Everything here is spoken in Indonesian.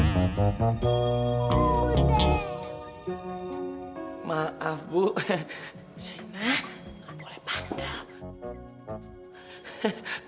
maaf bu shaina ga boleh pandang